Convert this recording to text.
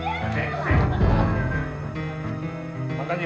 amba mohon pertolonganmu ya allah